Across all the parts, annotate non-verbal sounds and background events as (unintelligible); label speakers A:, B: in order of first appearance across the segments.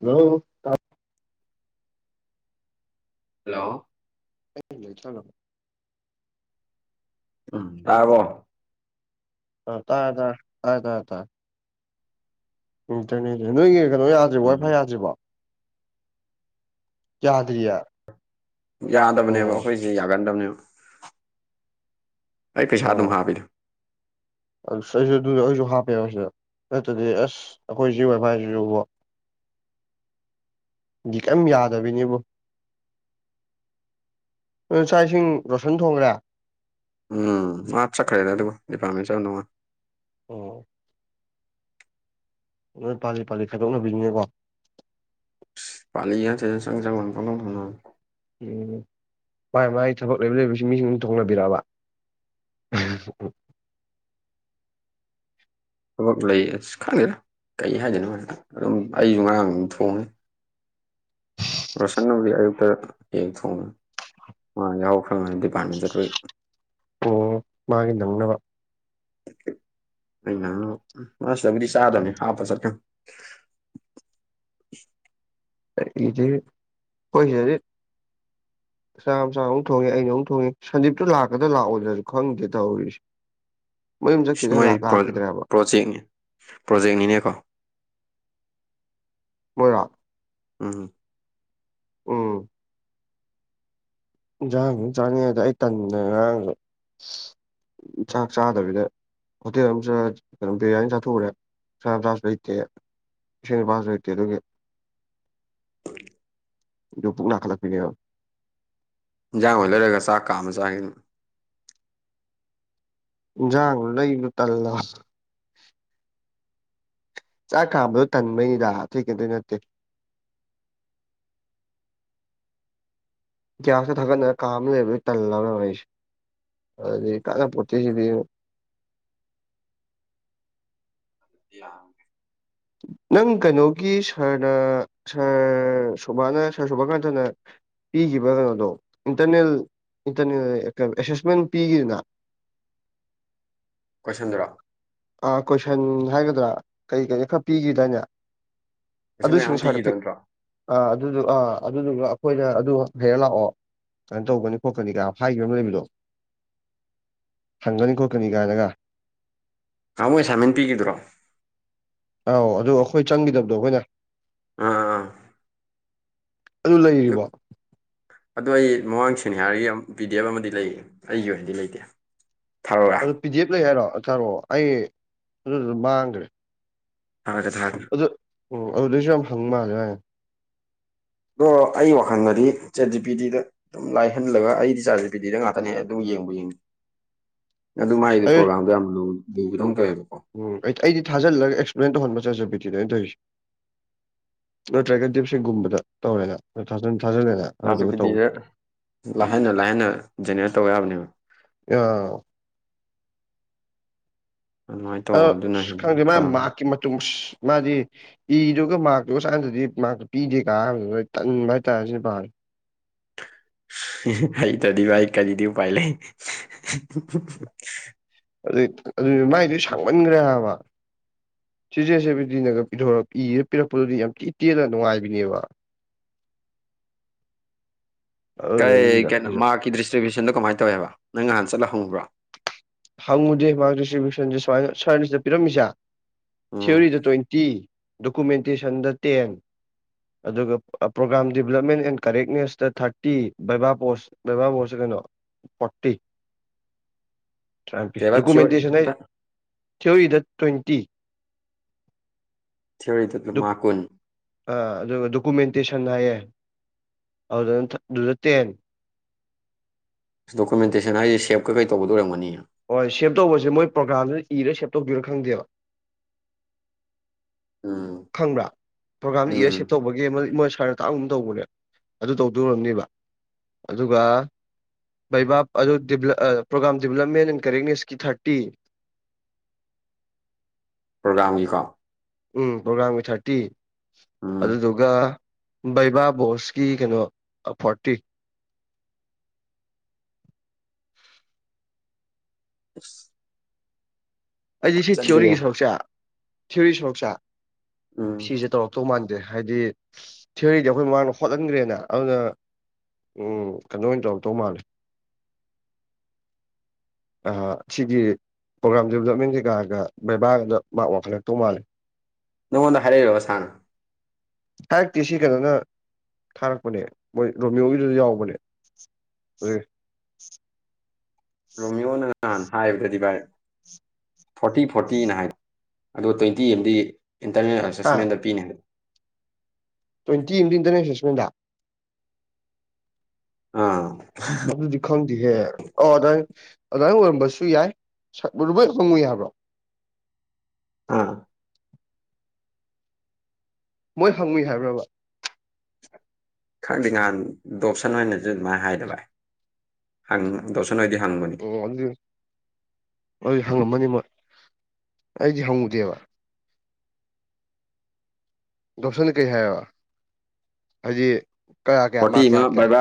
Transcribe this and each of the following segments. A: hello
B: hello
A: ꯀ ꯂꯩ ꯆꯠ (inaudible)
B: ꯎꯝ ꯇꯥꯔꯕꯣ
A: ꯑ ꯇꯥꯔꯦ ꯇꯥꯔꯦ ꯇꯥꯔꯦ ꯇꯥꯔꯦ ꯏꯟꯇꯔꯅꯦꯠꯅꯦ ꯅꯣꯏꯒꯤ ꯀꯩꯅꯣ ꯌꯥꯗꯔꯤꯕꯣ ꯋꯥꯏ ꯐꯥꯏ
B: ꯎꯝ
A: ꯌꯥꯗ꯭ꯔꯤꯕꯣ ꯌꯥꯗ꯭ꯔꯤꯌꯦ
B: ꯌꯥꯗꯕꯅꯦꯕ
A: ꯑꯣ
B: ꯑꯩꯈꯣꯏꯁꯦ ꯌꯥꯒꯟꯗꯕꯅꯦꯕ ꯑꯩ ꯄꯩꯁꯥ ꯑꯗꯨꯝ
A: ꯑꯣ
B: ꯍꯥꯞꯄꯤꯗꯣ
A: ꯑꯩꯁꯨ ꯑꯗꯨꯗ ꯑꯩꯁꯨ ꯍꯥꯞꯄꯦꯕ ꯁꯤꯗ ꯅꯠꯇꯗꯤ ꯑꯁ ꯑꯩꯈꯣꯏ ꯖꯤꯏꯚ ꯍꯥꯏꯁꯤꯁꯨꯕꯣ ꯀꯔꯤꯝ ꯌꯥꯗꯕꯤꯅꯦꯕꯨ ꯆꯥꯛ ꯏꯁꯤꯡ ꯔꯣꯁꯟ ꯊꯣꯡꯈ꯭ꯔꯦ
B: ꯎꯝ ꯃꯥ ꯆꯠꯈ꯭ꯔꯦꯗ ꯑꯗꯨꯒ ꯗꯤꯄꯥꯔꯠꯃꯦꯟ ꯆꯠꯂꯝꯗꯧꯃꯟꯂꯤ
A: ꯑꯣ ꯍꯣꯏ ꯄꯥꯜꯂꯤ ꯄꯥꯜꯂꯤ ꯈꯥꯏꯗꯣꯛꯅꯕꯤꯅꯤꯡꯅꯤꯦꯀꯣ
B: ꯄꯅꯤ ꯌꯥꯁꯦ ꯆꯪ ꯆꯪꯕ ꯂ ꯊꯅ
A: ꯎꯝ ꯃꯥꯏ ꯃꯥꯏ ꯊꯕꯛ ꯂꯩꯕ ꯂꯩꯕꯁꯤ ꯃꯤꯁꯤꯡ ꯊ ꯊꯣꯛꯅꯕꯤꯔꯛꯑꯕ ꯎꯝ ꯑꯣ
B: ꯊꯕꯛ ꯂꯩ ꯑꯁ ꯈꯪꯗꯦꯔꯥ ꯀꯩ ꯍꯥꯏꯗꯣꯏꯅꯣ ꯑꯗꯨꯝ ꯑꯩꯁꯨ ꯉꯔꯥꯡ ꯑꯗꯨꯝ ꯊꯣꯡꯉꯅꯤ ꯔꯣꯁꯟꯅꯒꯤ ꯑꯌꯨꯛꯇ ꯌ‌ꯦꯟ ꯊꯣꯡꯉꯤ ꯃꯥ ꯌꯥꯎꯈ꯭ꯔꯉꯟꯂꯤꯅ ꯗꯤꯄꯥꯔꯠꯃꯦꯟꯇ ꯆꯠꯄꯩ
A: ꯑꯣ ꯃꯥꯒꯤ ꯅꯪꯅꯕ
B: ꯑꯩꯅ ꯁꯤꯗꯕꯨꯗꯤ ꯆꯥꯗꯕꯅꯤ ꯍꯥꯞꯄꯒ‌ ꯆꯠꯈꯔ‌ꯕꯅꯤ
A: (unintelligible) ꯑꯩꯈꯧꯏꯁꯤꯗꯤ ꯆ ꯃ ꯆꯆꯥ ꯑꯃꯨꯛ ꯊꯣꯡꯉꯦ ꯑꯩꯅ ꯑꯃꯨꯛ ꯊꯣꯡꯉꯦ ꯁꯟꯗꯤꯞꯇꯨ ꯂꯥꯛꯀꯗ ꯂꯥꯛꯑꯣꯗ꯭ꯔꯁꯨ ꯈꯪꯗꯦ ꯇꯧꯔꯤꯁꯦ ꯃꯌꯨꯝ ꯆꯠꯈꯤꯗ
B: ꯃꯣꯏ
A: ꯂꯥꯛ ꯂꯥꯛꯈꯤꯗ꯭ꯔꯦꯕ
B: ꯄ꯭ꯔꯣꯖꯦꯛꯅꯤ ꯄ꯭ꯔꯣꯖꯦꯛꯅꯤꯅꯦꯀꯣ
A: ꯃꯣꯏꯔꯥ
B: ꯎꯝꯝ
A: ꯎꯝ ꯏꯟꯁꯥꯡ ꯑꯗꯨ ꯆꯥꯅꯤꯡꯉ ꯑꯗ ꯑꯩ ꯇꯟꯅꯗ ꯉꯔꯥꯡꯁꯨ ꯆꯥꯛ ꯆꯥꯗꯕꯤꯗ ꯍꯣꯇꯦꯜ ꯑꯃꯨ ꯀꯩꯅꯣ ꯕꯤꯔꯌꯥꯅꯤ ꯆꯥꯊꯣꯛꯎꯔꯦ ꯆꯥꯁꯨ ꯂꯩꯇꯦ ꯏꯁ‌ꯦꯟꯅꯨꯄꯥꯁꯨ ꯂꯩꯇ‌ꯦ ꯑꯗꯨꯒꯤ ꯑꯗꯣ ꯄꯨꯛ ꯅꯥꯈꯠꯂꯛꯄꯤꯅꯦꯕ
B: ꯏꯟꯖꯥꯡ ꯍꯜ ꯂꯩꯔꯒ ꯆꯥꯛ ꯀꯥ ꯑꯃ ꯆꯥꯏ
A: ꯏꯟꯖꯥꯡꯒ ꯂꯩꯕ ꯇꯜꯂꯕ ꯆꯥꯛ ꯀꯥꯝꯕꯗꯣ ꯇꯟꯕꯩꯗ ꯑꯇꯩ ꯀꯩꯝ ꯅꯠꯇꯦ ꯒ꯭ꯌꯥꯁꯇ ꯊꯥꯒꯠꯅꯔ ꯀꯥꯝ ꯂꯩꯕꯒꯤ ꯇꯜꯂꯅꯦ ꯑꯩꯁꯦ ꯑꯗꯨꯗꯒꯤ ꯀꯥꯅꯄꯣꯠꯠꯇꯤꯁꯤꯗꯤ
B: (unintelligible)
A: ꯅꯪ ꯀꯩꯅꯣꯒꯤ ꯁꯥꯔꯅ ꯁꯥꯔ ꯁꯣꯕꯥꯅ ꯁꯥꯔ ꯁꯣꯕꯥꯀꯥꯟꯇꯅ ꯄꯤꯈꯤꯕ ꯀꯩꯅꯣꯗꯣ ꯏꯟꯇꯔꯅꯦꯜ ꯏꯟꯇꯔꯅꯦꯜ ꯑꯦꯁꯦꯁꯃꯦꯟ ꯄꯤꯈꯤꯗꯅ
B: ꯀꯣꯏꯁꯟꯗꯨꯔꯣ
A: ꯑꯥ ꯀꯣꯏꯁꯟ ꯍꯥꯏꯒꯗ꯭ꯔꯥ ꯀꯔꯤ ꯀꯔꯤ ꯈꯔ ꯄꯤꯈꯤꯗꯥꯏꯅꯦ
B: ꯀꯣꯏꯁꯟ ꯃꯌꯥꯝ
A: ꯑꯗꯨꯁꯤꯡꯁꯤꯡꯁꯥꫪꯗꯄꯤ
B: ꯄꯤꯈꯤꯗꯕ ꯅꯠꯇ꯭ꯔꯣ
A: ꯑꯥ ꯑꯗꯨꯗꯨ ꯑꯥ ꯑꯗꯨꯗꯨꯒ ꯑꯩꯈꯣꯏꯅ ꯑꯗꯨ ꯍꯔ ꯂꯥꯛꯑꯣ ꯀꯩꯅꯣ ꯇꯧꯒꯅꯤ ꯈꯣꯠꯀꯅꯤꯒ ꯍꯥꯏꯈꯤꯕ ꯑꯃ ꯂꯩꯕꯗꯣ ꯍꯪꯒꯅꯤ ꯈꯣꯠꯀꯅꯤ ꯀꯥꯏꯅꯒ
B: ꯉꯥꯍꯟꯃꯨꯛ ꯑꯦꯁꯥꯏꯟꯃꯦꯟ ꯄꯤꯈꯤꯕꯗ꯭‌ꯨꯔꯣ
A: ꯑꯧ ꯑꯗ ꯑꯩꯈꯣꯏ ꯆꯪꯈꯤꯗꯕꯗꯣ ꯑꯩꯈꯣꯏꯅ
B: ꯑꯥ ꯑꯥ
A: ꯑꯗꯨ ꯂꯩꯔꯤꯕꯣ
B: ꯑꯗꯣ ꯑꯩ ꯃꯃꯥꯡ ꯁꯅꯤ ꯍꯥꯏꯔꯒꯤ ꯄꯤ ꯗꯤ ꯑꯦꯐ ꯑꯃꯗꯤ ꯂꯩ ꯑꯩꯒꯤ ꯑꯣꯏꯅꯗꯤ ꯂꯩꯇꯦ ꯊꯥꯔꯋꯦ
A: ꯑꯗꯨ ꯄꯤ ꯗꯤ ꯑꯦꯐ ꯂꯩ ꯍꯥꯏꯔꯣ ꯆꯥꯔꯛꯑꯣ ꯑꯩ ꯑꯗꯨꯗꯨꯗ ꯃꯥꯡꯈ꯭ꯔꯦ
B: ꯊꯥꫪꯛꯀ‌ꯦ ꯊꫪꯛꯀ‌ꯦ
A: ꯑꯗꯨ ꯎ ꯑꯗꯨꯗꯩꯁꯨ ꯌꯥꯝ ꯍꯪ ꯃꯥꯜꯂꯦ ꯍ
B: ꯑ ꯑꯩ ꯋꯥꯈꯜꯗꯗꯤ ꯆꯦ ꯖꯤ ꯄꯤꯗꯤꯗ ꯑꯗꯨꯝ ꯂꯥꯏꯍꯜꯂꯒ ꯑꯩꯗꯤ ꯆꯥꯗꯦ ꯄꯤꯗꯤꯗ ꯉꯥꯛꯇꯅꯦ ꯑꯩ ꯑꯗꯨꯝ ꯌꯦꯡꯕ ꯌꯦꯡꯉꯤ ꯑꯗꯨ ꯃꯒꯤꯗꯤ
A: ꯑꯩ
B: ꯄ꯭ꯔꯣꯒꯥꯝꯗꯣ ꯌꯥꯝ ꯂꯨꯕꯗꯧ ꯇꯧꯋꯦꯕꯀꯣ
A: ꯎꯝ ꯑꯩꯗꯤ ꯊꯥꯖꯤꯜꯂꯒ ꯑꯦꯛꯁꯄ꯭ꯂꯦꯟ ꯇꯧꯍꯟꯕ ꯆꯠꯁ ꯕꯤꯇꯤꯗꯣꯏ ꯇꯧꯔꯤꯁꯤ ꯅꯠꯇ꯭ꯔꯒ ꯗꯤꯞꯁꯤꯒꯨꯝꯕꯗ ꯇꯧꯔꯦꯅ ꯊꯥꯟ ꯊꯥꯖꯤꯜꯂꯦꯅ
B: (unintelligible)
A: ꯑꯗꯨꯗꯨꯒ
B: ꯄꯤꯗꯤ
A: ꯇꯧ
B: ꯂꯥꯏꯍꯟꯅ ꯂꯥꯏꯍꯟꯅ ꯖꯦꯅꯦꯔꯦꯠ ꯇꯧꯕ ꯌꯥꯕꯅꯦꯕ
A: (unintelligible)
B: ꯑꯗꯨꯃꯥꯏꯅ ꯇꯧ
A: ꯑ
B: ꯑꯗꯨꯅ
A: ꯈꯪꯗꯦ
B: ꯍꯦꯟꯅꯗꯤ
A: ꯃꯥ
B: ꯐꯕꯅꯤ
A: ꯃꯍꯥꯛꯀꯤ ꯃꯇꯨꯡ ꯃꯥꯗꯤ ꯏꯗꯨꯒ ꯃꯥꯛꯇꯣ (unintelligible) ꯃꯥꯛꯇ ꯄꯤꯗꯦ ꯀꯥ ꯍꯥꯏꯕꯗꯨ ꯇꯟꯕ ꯍꯥꯏꯇꯥꯔꯦ ꯁꯤ ꯄꯥꯔꯦ
B: ꯍꯩꯇꯗꯤꯚꯏ ꯀꯖꯤꯗꯤ ꯎ ꯄꯥꯏ ꯂꯩ (unintelligible)
A: ꯑꯗꯨ ꯑꯗꯨ ꯃꯥꯏꯗ ꯁꯥꯡꯃꯟꯒ꯭ꯔꯦ ꯍꯥꯏꯕ ꯁꯤꯖꯦꯁꯦꯕꯗꯤꯅꯒ ꯄꯊꯣꯔ ꯏꯔ ꯄꯤꯔꯛꯄꯗꯨꯗꯤ ꯌꯥꯝ ꯊꯤ ꯇꯦꯅ ꯅꯨꯡꯉꯥꯏꯕꯤꯅꯦꯕ (inaudible)
B: ꯀꯩ
A: ꯑꯗꯨꯗꯨꯒꯤꯅꯤꯗ
B: ꯀꯩꯅꯣ
A: ꯑꯩꯁꯨ
B: ꯃꯥꯒꯤ ꯗꯤꯁꯇ꯭ꯔꯤꯕ꯭ꯌꯨꯁꯟꯗꯣ ꯀꯃꯥꯏꯅ ꯇꯧꯋꯦꯕ ꯅꯪ ꯅꯍꯥꯟ ꯆꯠꯂꯍꯪꯕ꯭ꯔꯣ
A: ꯍꯪꯉꯨꯗꯦ ꯃꯥꯛ ꯗꯤꯁꯇ꯭ꯔꯤꯕ꯭ꯌꯨꯁꯟꯁꯦ ꯁꯨꯃꯥꯏꯅ ꯁꯔꯕꯤꯁꯗ ꯄꯤꯔꯝꯃꯤꯁꯦ
B: ꯎꯝ
A: ꯊꯤꯑꯣꯔꯤꯗ ꯇ꯭ꯋꯦꯟꯇꯤ ꯗꯣꯀꯨꯃꯦꯟꯇꯦꯁꯟꯗ ꯇꯦꯟ ꯑꯗꯨꯒ ꯄ꯭ꯔꯣꯒꯥ꯭ꯔꯥꯝ ꯗꯤꯕꯂꯞꯃꯦꯟ ꯑꯦꯟ ꯀꯔꯦꯛꯅꯦꯁꯇ ꯊꯥꯔꯇꯤ ꯕꯩꯕꯥ ꯄꯣꯁ (unintelligible) ꯀꯩꯅꯣ ꯐꯣꯔꯇꯤ (unintelligible)
B: ꯀꯩꯕꯥ ꯊꯤꯑꯣꯔꯤ
A: ꯗꯣꯀꯨꯃꯦꯟꯇꯦꯁꯟ ꯍꯥꯏ
B: ꯍꯟꯗꯛ
A: ꯊꯤꯑꯣꯔꯤ ꯗ ꯇ꯭ꯋꯦꯟꯇꯤ
B: ꯊꯤꯌꯣꯔꯤꯗ ꯃꯥ ꯀꯨꯟ
A: ꯑꯥ ꯑꯗꯨꯒ ꯗꯣꯀꯨꯃꯦꯟꯇꯦꯁꯟ ꯍꯥꯏꯌꯦ ꯑꯗꯨꯗꯅ ꯑꯗꯨꯗ ꯇꯦꯟ
B: ꯗꯣꯀꯨꯃꯦꯟꯇꯦꯁꯟ ꯍꯥꯏꯗꯤ ꯁꯦꯞꯀ ꯀꯩ ꯇꯧꯕꯗꯨ ꯑꯣꯏꯔꯝꯒꯥꯅꯤꯌꯦ
A: ꯍꯣꯏ ꯁꯦꯞ ꯇꯧꯕꯁꯦ ꯃꯣꯏ ꯄ꯭ꯔꯣꯒꯥꯥꯝꯗ ꯏꯔ ꯁꯦꯞ ꯇꯧꯗꯣꯏꯔꯥ ꯈꯪꯗꯦꯕ
B: ꯎꯝ
A: ꯈꯪꯕ꯭ꯔꯥ ꯄ꯭ꯔꯣꯒꯥꯝ
B: ꯎꯝ
A: ꯏꯌꯔꯁꯦꯞ ꯇꯧꯕꯒꯤ ꯑꯃ ꯏꯃꯣꯏ ꯁꯔꯅ ꯇꯥꯛꯑꯥꯝꯒꯨꯝ ꯇꯧꯕꯅꯦ ꯑꯗꯨ ꯇꯧꯗꯣ ꯑꯣꯏꯔꯝꯅꯦꯕ ꯑꯗꯨꯒ ꯕꯩꯕꯥ ꯑꯗꯨ (unintelligible) ꯄ꯭ꯔꯣꯒꯥꯝ ꯗꯤꯕꯂꯞꯃꯦꯟ ꯑꯦꯟ ꯀꯔꯦꯛꯅꯦꯁꯀꯤ ꯊꯥꯔꯇꯤ
B: ꯄ꯭ꯔꯣꯒꯥꯝꯒꯤꯀꯣ
A: ꯎꯝ ꯄ꯭ꯔꯣꯒꯥꯝ ꯒꯤ ꯊꯥꯔꯇꯤ
B: ꯎꯝ
A: ꯑꯗꯨꯗꯨꯒ ꯕꯩꯕꯥ ꯕꯣꯁꯀꯤ ꯀꯩꯅꯣ ꯐꯣꯔꯇꯤ
B: ꯑꯁ
A: ꯑꯩꯗꯤ ꯁꯤ ꯊꯤꯑꯣꯔꯤꯒꯤ ꯁꯔꯨꯛꯁꯦ ꯊꯤꯑꯣꯔꯤ ꯁꯔꯨꯁꯦ
B: ꯎꯝ
A: ꯁꯤꯁꯦ ꯇꯧꯔꯛ ꯇꯧ ꯃꯥꯟꯗꯦ ꯍꯥꯏꯗꯤ ꯊꯤꯑꯣꯔꯤꯗꯤ ꯑꯩꯈꯣꯏ ꯃꯥꯡꯗ ꯍꯣꯠꯍꯟꯒ꯭ꯔꯦꯅ ꯑꯗꯨꯅ ꯎꯝ ꯀꯩꯅꯣ ꯑꯣꯏꯅ ꯇꯧꯔ ꯇꯧ ꯃꯥꯂꯦ ꯑꯥ ꯁꯤꯒꯤ ꯄ꯭ꯔꯣꯒꯥ꯭ꯔꯥꯝ ꯗꯦꯕꯂꯞꯃꯦꯟꯁꯦ ꯀꯥꯒ ꯕꯦꯕꯥꯒꯗ ꯃꯥꯛ ꯋꯥꯈꯜ ꯈꯛꯇꯧ ꯃꯥꯜꯂꯦ
B: ꯅꯉꯣꯟꯗ ꯍꯥꯏꯔꯛꯔꯕ ꯁꯥꯅ
A: ꯍꯥꯏꯔꯥꯛꯇꯦ ꯁꯤ ꯀꯩꯅꯣꯅ ꯊꯥꯔꯛꯄꯅꯦ ꯃꯣꯏ ꯔꯣꯃꯤꯌꯣꯒꯤꯗꯨ ꯌꯥꯎꯕꯅꯦ ꯎ
B: ꯔꯣꯃꯤꯌꯣꯅ ꯅꯍꯥꯟ ꯍꯥꯏꯕꯗꯗꯤ ꯚꯥꯏ ꯐꯣꯔꯇꯤ ꯐꯣꯔꯇꯤꯅ ꯍꯥꯏꯕ ꯑꯗꯣ ꯇ꯭ꯋꯦꯟꯇꯤ ꯑꯦꯝꯗꯤ ꯏꯟꯇꯔꯅꯦꯜ
A: ꯍꯥ
B: ꯑꯦꯁꯦꯁꯃꯦꯟꯗ ꯄꯤꯅꯦ (unintelligible)
A: ꯇ꯭ꯋꯦꯟꯤ ꯑꯝꯗꯤ ꯏꯟꯇꯤꯅꯦꯜ ꯑꯁꯦ (unintelligible)
B: ꯑꯥ (unintelligible)
A: ꯑꯗꯨꯗꯤ ꯈꯪꯗꯦꯍꯦ ꯑꯣ ꯑꯗꯨꯥꯏ ꯑꯗꯨꯃꯥꯏꯅ ꯑꯣꯏꯔꯝꯕꯁꯨ ꯌꯥꯏ ꯂꯣꯏ ꯈꯪꯉꯨꯏ ꯌꯥꯕ꯭ꯔꯣ
B: ꯑꯥ
A: ꯃꯣꯏ ꯍꯪꯉꯨꯏ ꯍꯥꯏꯕ꯭ꯔꯕ
B: ꯈꯔꯗꯤ ꯉꯥꯟ ꯗꯣꯞꯁꯟ ꯑꯣꯏꯅꯁꯨ ꯑꯗꯨꯃꯥꯏꯅ ꯍꯥꯏꯗ ꯕꯥꯏ ꯍꯪ ꯗꯣꯁꯟ ꯑꯣꯏꯗꯤ ꯍꯪꯕꯅꯤ
A: ꯑꯣ ꯑꯗꯨ ꯑꯗꯨ ꯍꯪꯉꯝꯃꯅꯤ ꯃꯣꯏ ꯑꯩꯗꯤ ꯍꯪꯉꯨꯗꯦꯕ ꯗꯎꯁꯟ ꯀꯩ ꯍꯥꯏꯌꯦꯕ ꯍꯥꯏꯗꯤ ꯀꯌꯥ ꯀꯌꯥ ꯃꯥ
B: ꯐꯣꯔꯇꯤ ꯑꯃ
A: ꯀꯌꯥ ꯀꯌꯥ
B: ꯕꯩꯕꯥ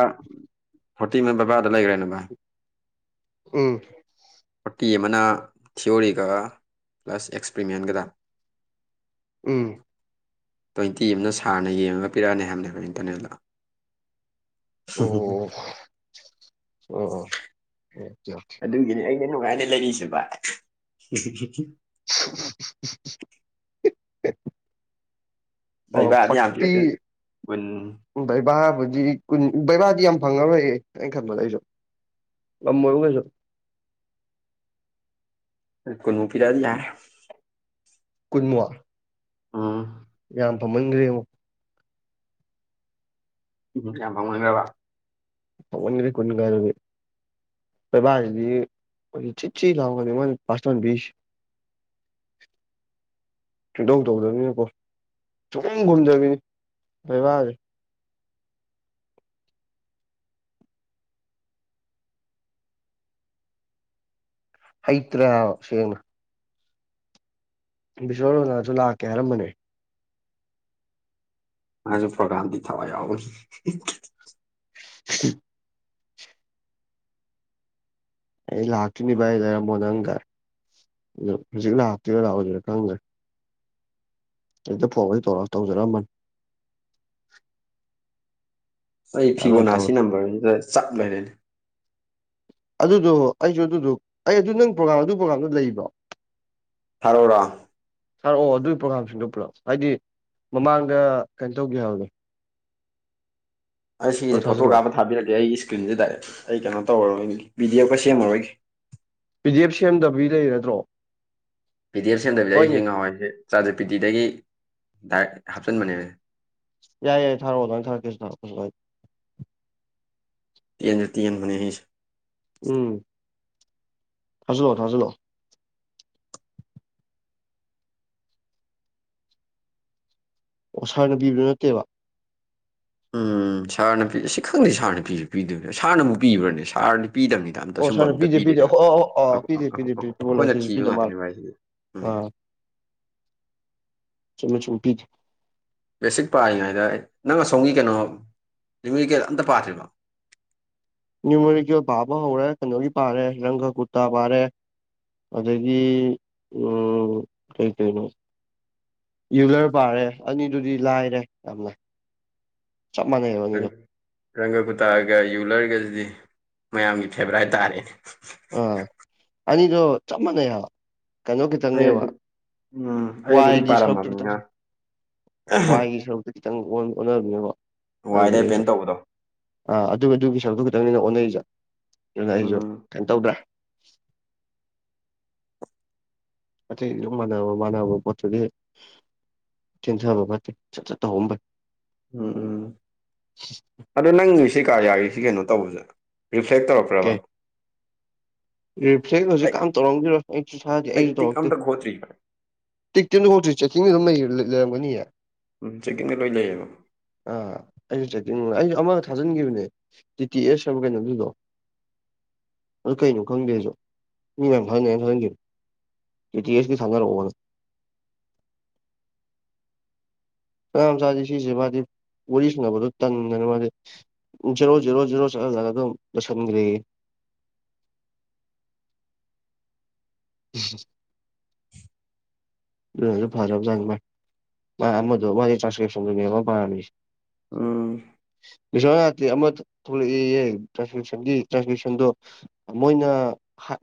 B: ꯐꯣꯔꯇꯤ ꯑꯃ ꯕꯕꯥꯗ ꯂꯩꯒ꯭ꯔꯦꯅ ꯚꯥꯏ
A: ꯎꯝ
B: ꯐꯣꯔꯇꯤ ꯑꯃꯅ ꯊꯤꯑꯣꯔꯤꯒ ꯄ꯭ꯂꯁ ꯑꯦꯛꯄ꯭ꯔꯤꯃꯦꯟꯒꯗ
A: ꯎꯝ
B: ꯇ꯭ꯋꯦꯟꯇꯤ ꯑꯃꯅ ꯁꯥꯔꯅ ꯌꯦꯡꯉꯒ ꯄꯤꯔꯛꯑꯅꯤ ꯍꯥꯏꯕꯅꯦꯕ ꯏꯟꯇꯔꯅꯦꯜꯗ
A: ꯑꯣ ꯑꯣ ꯑꯣ
B: ꯑꯗꯨꯒꯤꯅꯤ ꯑꯩꯅ ꯅꯨꯡꯉꯥꯏꯅ ꯂꯩꯔꯤꯁꯦꯕ
A: (unintelligible) ꯑꯣ
B: ꯂꯩꯕꯗꯤ ꯌꯥꯝ
A: ꯐꯣꯔꯇꯤ
B: ꯀꯤꯂꯛꯇ ꯎ
A: ꯕꯩꯕꯥꯕꯨꯗꯤ ꯀꯨꯟ ꯕꯩꯕꯥꯗꯤ ꯌꯥꯝ ꯐꯪꯉꯔꯣꯏꯌꯦ ꯑꯩꯅ ꯈꯟꯕꯗ ꯑꯩꯁꯨ ꯑꯝꯃꯣꯏꯕꯨ ꯀꯩꯁ
B: ꯀꯣꯏꯅꯨꯄꯤꯔꯗ ꯂ
A: ꯀꯨꯟꯃꯨꯉꯥ
B: ꯑꯥ
A: ꯌꯥꯝ ꯐꯃꯟꯈ꯭ꯔꯦ
B: ꯏꯕꯨꯗ ꯌꯥꯝ ꯄꯥꯎꯅꯤꯡꯕ
A: ꯑꯣꯟꯅꯔ ꯀꯨꯟ ꯀꯥꯔꯦ ꯄꯣꯏꯕꯁꯤꯗꯤ ꯑꯩ ꯆꯤꯠ ꯆꯤ ꯂꯥꯎꯒꯅꯤ ꯃꯣꯏ ꯄꯥꯁꯇꯣꯟ ꯁ (unintelligible) ꯁꯨꯡꯗꯧ ꯇꯧꯗꯕꯅꯤꯅꯀꯣ ꯁꯨꯝ ꯈꯨꯝꯗꯕꯤꯅꯤ ꯂꯩꯕꯥꯛꯁꯦ ꯍꯩꯇ꯭ꯔꯦꯕ ꯁꯦꯡꯅ ꯕꯤꯁꯣꯔꯣꯅꯥꯁꯨ ꯂꯥꯛꯀꯦ ꯍꯥꯏꯔꯝꯕꯅꯦ
B: ꯃꯥꯁꯨ ꯄ꯭ꯔꯣꯒꯥꯝꯗꯤ ꯊꯋꯥꯏ ꯌꯥꯎ
A: ꯎ ꯑꯩ ꯂꯥꯛꯇꯣꯏꯅꯤ ꯚ ꯑꯩ ꯂꯩꯔꯝꯃꯣ ꯅꯪꯒꯔꯦ ꯑꯗꯨ ꯍꯧꯖꯤꯛ ꯂꯥꯛꯇꯣꯏꯔ ꯂꯥꯛꯑꯣꯗꯣꯏꯔꯥ ꯈꯪꯗ꯭ꯔꯦ ꯑꯛꯇ ꯐꯣꯟꯒ ꯇꯧꯔ ꯇꯧꯔꯑꯝꯕꯅꯤ
B: ꯑꯩ
A: ꯑꯗꯨꯃꯥꯏꯅ
B: ꯐꯤꯒꯣꯅꯥ ꯁꯤ
A: ꯇꯧꯔꯦ
B: ꯅꯝꯕꯔꯁꯤꯗ ꯆꯞ ꯂꯩꯔꯦꯅꯦ
A: ꯑꯗꯨꯗꯣ ꯑꯩꯁꯨ ꯑꯗꯨꯗꯣ ꯑꯩ ꯑꯗꯨ ꯅꯪ ꯄ꯭ꯔꯣꯒꯥꯝ ꯑꯗꯨ ꯄ꯭ꯔꯣꯒꯥꯝꯗꯨ ꯂꯩꯕ꯭ꯔꯣ
B: ꯊꯥꯔꯔꯥ
A: ꯁꯥꯔ ꯑꯣ ꯑꯗꯨꯒꯤ ꯄ꯭ꯔꯣꯒꯥꯝꯁꯤꯡꯗꯣ ꯄꯨꯂꯛꯑꯣ ꯍꯥꯏꯗꯤ ꯃꯃꯥꯡꯗ ꯀꯩꯅꯣ ꯇꯧꯒꯦ ꯍꯥꯏꯕꯒꯦ
B: ꯑꯩ
A: ꯑꯣ
B: ꯁꯤꯒꯤꯁꯦ ꯐꯣꯇꯣ ꯀꯥꯞ
A: ꯊꯥꯖꯤꯜꯂꯛꯑꯣ
B: ꯑꯃ ꯊꯥꯕꯤꯔꯛꯀꯦ ꯑꯩ ꯏꯁꯀ꯭ꯔꯤꯟꯁꯦ ꯗꯥꯏꯔꯦꯛ ꯑꯩ ꯀꯩꯅꯣ ꯇꯧꯔꯣꯏ ꯕꯤꯗꯤꯑꯣ ꯈꯔ ꯁꯦꯝꯃꯔꯣꯏꯦ
A: ꯄꯕꯤ ꯖꯦꯞ ꯁꯦꯝꯗꯕꯒꯤ ꯂꯩꯔꯗ꯭ꯔꯣ
B: ꯄꯤ ꯗꯤ ꯑꯦꯐ ꯁꯦꯝꯗꯕꯤꯗ ꯑꯩꯁꯤ ꯉꯍꯋꯥꯏꯁꯦ ꯆꯥꯔꯖꯔ ꯄꯤ ꯗꯤꯤꯗꯒꯤ ꯗꯥꯏꯔꯦꯛ ꯍꯥꯞꯆꯤꯟꯕꯅꯦꯅꯦ
A: ꯌꯥꯏ ꯌꯥꯏ ꯊꯥꯔꯛꯑꯣ ꯅꯣꯏꯅ ꯊꯔꯛꯀꯦ ꯊꯛꯄꯁꯨ ꯑꯩ
B: ꯇꯦꯟꯖ ꯇꯦꯟ ꯍꯅ ꯍꯁꯨ
A: ꯎꯝ ꯊꯖꯂꯣ ꯊꯖꯂꯣ ꯑꯣ ꯁꯥꯔꯅ ꯄꯤꯕꯗꯨ ꯅꯠꯇꯦꯕ
B: ꯎꯝ ꯁꯥꯔ ꯅꯨꯄꯤ ꯑꯁꯤ ꯈꯪꯗꯦ ꯁꯥꯔ ꯅꯨꯄꯤꯁꯨ ꯄꯤꯗꯣꯏꯅꯦ ꯁꯥꯔꯅꯕꯨꯛ ꯄꯤꯕ꯭ꯔꯅꯦ ꯁꯥꯔꯅ ꯄꯤꯗꯕꯅꯤ ꯑꯝꯇ
A: ꯑꯣ
B: ꯑꯁꯨꯝꯕ
A: ꯁꯥꯔꯅ
B: ꯑꯝꯇ
A: ꯄꯤꯗꯦ ꯄꯤꯗꯦ
B: ꯄꯤꯗꯦꯅꯦꯕ
A: ꯑꯣ ꯑꯣ ꯑꯣ ꯄꯤꯗꯦ ꯄꯤꯗꯦ ꯄꯤꯗꯦ
B: ꯑꯩꯈꯣꯏꯅ
A: ꯐꯤꯕꯣꯅꯥꯆꯤꯁꯨ
B: ꯊꯤꯕ
A: ꯄꯤꯗ ꯃꯥꯜꯂꯦ
B: ꯉꯥꯛꯇꯅꯦꯚꯁꯤꯗꯤ
A: ꯑꯥ ꯆꯂ ꯆꯨꯄꯤꯤ
B: ꯕꯦꯁꯤꯛ ꯄꯥꯔꯤꯉꯩꯗ ꯅꯪ ꯑꯁꯣꯝꯒꯤ ꯀꯩꯅꯣ ꯔꯤꯃꯤꯔꯤꯀꯦꯠ ꯑꯝꯇ ꯄꯥꯗ꯭ꯔꯤꯕ
A: ꯅꯅꯤꯌꯃ ꯄꯥꯕ ꯍꯧꯔꯦ ꯀꯩꯅꯣꯒꯤ ꯄꯥꯔꯦ ꯔꯪꯒ ꯀꯨꯔꯇꯥ ꯄꯥꯔꯦ ꯑꯗꯒꯤ ꯎ ꯀꯩ ꯀꯩꯅꯣ ꯏꯔꯤꯒꯨꯂꯔ ꯄꯥꯔꯦ ꯑꯅꯤꯗꯨꯗꯤ ꯂꯥꯏꯔꯦ ꯌꯥꯝꯅ ꯆꯞ ꯃꯥꯟꯅꯦ ꯍꯥꯏꯕꯅꯤꯒ
B: ꯔꯪꯒ ꯀꯨꯇꯥꯒ ꯌꯨꯂꯔꯒꯁꯤꯗꯤ ꯃꯌꯥꯝꯒꯤ ꯐꯦꯕꯔꯥꯏꯠ ꯇꯥꯔꯦ
A: ꯑꯥ ꯑꯅꯤꯗꯣ ꯆꯞ ꯃꯥꯟꯅꯩ ꯍꯥꯏ ꯀꯩꯅꯣ
B: ꯑꯩ
A: ꯈꯤꯇꯪꯅꯦꯕ
B: ꯑꯗꯨ ꯎꯝ ꯑꯩ ꯑꯗꯨꯗꯤ
A: ꯋꯥꯏꯒꯤ
B: ꯄꯥꯔꯝꯃꯕꯅꯤꯅ
A: ꯁꯔꯨꯛꯇꯇꯪꯁ ꯋꯥꯏꯒꯤ ꯁꯔꯨꯛꯇ ꯈꯤꯇꯪ ꯑꯣꯟꯅꯕꯅꯦꯕ ꯑꯗꯨꯗꯒꯤ
B: ꯋꯥꯏꯗ
A: ꯑꯩꯁꯨ
B: ꯑꯦꯄꯦꯟ ꯇꯧꯕꯗꯣ
A: ꯑꯥ ꯑꯗꯨ ꯑꯗꯨꯒꯤ ꯁꯔꯨꯛꯇꯣ ꯈꯤꯇꯪꯅꯤꯅ ꯑꯣꯟꯅꯔꯤꯁꯦ ꯑꯗꯨꯅ
B: ꯎꯝ
A: ꯑꯩꯁꯨ ꯀꯩꯅꯣ ꯇꯧꯗ꯭ꯔꯦ ꯑꯇꯩꯁꯨ ꯃꯥꯟꯅꯕ ꯃꯥꯟꯅꯕ ꯄꯣꯠꯇꯨꯒꯤ ꯇꯤꯟꯊꯕ ꯐꯠꯇꯦ ꯆꯠ ꯆꯠꯠꯇꯧꯍ ꯐꯩ
B: ꯎꯝ ꯎꯝ ꯑꯗ ꯅꯪꯒꯤ ꯁꯤ ꯀꯥ ꯌꯥꯔꯤꯁꯤ ꯀꯩꯅꯣ ꯇꯧꯕꯁꯦ ꯔꯤꯐ꯭ꯂꯦꯛ ꯇꯧꯔꯛꯄ ꯄ꯭ꯔꯕ
A: ꯐꯩ ꯔꯤꯐ꯭ꯂꯦꯛ ꯍꯧꯖꯤꯛ ꯀꯝ ꯇꯧꯔꯝꯗꯔꯣ ꯑꯩꯁꯨ ꯁꯥꯗꯦ
B: ꯑꯩ
A: ꯑꯩꯁꯨ
B: ꯇꯤꯛ
A: ꯇꯧꯔꯛꯇꯦ
B: ꯑꯝꯇ ꯈꯣꯠꯇ꯭ꯔꯤ
A: ꯇꯤꯛ ꯇꯤꯟꯗ ꯍꯣꯡꯗꯣꯏꯔꯤ ꯆꯦꯛꯀꯤꯡꯗꯨ ꯑꯗꯨꯝ ꯂꯩ ꯂꯩꯔꯒꯅꯤꯌꯦ
B: ꯎꯝ ꯆꯦꯛꯀꯡꯒ ꯂꯣꯏ ꯂꯩꯌꯦꯕ
A: ꯑꯥ ꯑꯩꯁꯨ ꯆꯦꯛꯀꯤꯡ ꯑꯩꯁꯨ ꯑꯃꯒ ꯊꯥꯖꯤꯟꯈꯤꯕꯅꯦ ꯇꯤꯤ ꯑꯦꯁ ꯀꯩꯅꯩꯅꯣ ꯑꯗꯨꯗꯣ ꯑꯗꯨ ꯀꯩꯅ ꯈꯪꯗꯦꯔꯁꯨ ꯃꯤ ꯃꯦꯝ ꯊꯥꯖ ꯃꯦꯝ ꯊꯥꯖꯟꯕꯤꯌꯨ ꯀꯦ ꯇꯤ ꯑꯦꯁꯀꯤ ꯁꯥꯟꯅꯔꯛꯑꯣ ꯋꯥꯅ ꯀꯌꯥꯝ ꯆꯥꯦ ꯁꯤꯁꯦ ꯃꯥꯗꯤ ꯋꯥꯔꯤ ꯁꯨꯅꯕꯗꯣ ꯇꯟꯗꯅ ꯃꯥꯗꯤ ꯖꯦꯔꯣ ꯖꯦꯣ ꯖꯦꯔꯣ ꯆꯠꯂ ꯆꯒ ꯑꯗꯨꯝ ꯂꯣꯏꯁꯤꯟꯈ꯭ꯔꯦꯒꯦ ꯑꯗꯨ ꯐꯥꯔꯕꯖꯒꯕ ꯃꯗꯨ ꯃꯥ ꯇ꯭ꯔꯥꯟꯁꯀ꯭ꯔꯤꯞꯁꯟꯃ ꯄꯔꯃꯤ
B: ꯎꯝ
A: ꯑꯃ ꯊꯣꯛꯂꯛꯏ ꯇꯥꯟꯁꯟꯒꯤ ꯇ꯭ꯔꯥꯟꯁꯀꯁꯟꯗꯣ ꯃꯣꯏꯅ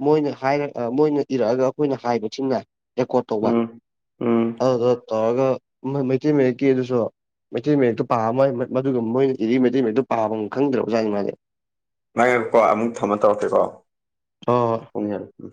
A: ꯃꯣꯏꯅ ꯍꯥꯏꯔ ꯃꯣꯏꯅ ꯏꯔꯛꯑꯒ ꯑꯩꯈꯣꯏꯅ ꯍꯥꯏꯕꯁꯤꯡꯅ ꯔꯦꯀꯣꯔꯠ ꯇꯧꯕ
B: ꯎꯝ ꯎꯝ
A: ꯑꯗꯨ ꯇꯧꯔꯒ ꯃꯩꯇꯩ ꯃꯌꯦꯛꯀꯤ ꯑꯗꯨꯁꯨ ꯃꯩꯇꯩ ꯃꯌꯦꯛꯛꯇꯨ ꯄꯥꯕ ꯃꯣꯏ ꯃꯗꯨꯒ ꯃꯣꯏꯅ ꯏꯖꯤꯔꯤ ꯃꯩꯇꯩ ꯃꯌꯦꯛꯛꯇꯨ ꯄꯥꯕ ꯈꯪꯗ꯭ꯔꯕ ꯑꯣꯖꯥꯅꯤ ꯃꯥꯁꯦ
B: ꯉꯥꯏꯀꯣ ꯑꯃꯨꯛ ꯊꯝꯃ ꯇꯧꯔꯀꯦꯀꯣ
A: ꯍꯣꯏ ꯍꯣꯏ
B: ꯍꯣꯡ ꯍꯔ ꯎꯝ